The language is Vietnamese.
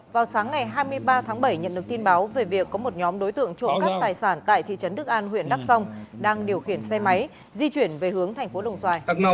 vào sáng ngày hai mươi ba tháng bảy nhận được tin báo về việc có một nhóm đối tượng trộm cắp tài sản tại thị trấn đức an huyện đắk song đang điều khiển xe máy di chuyển về hướng thành phố đồng xoài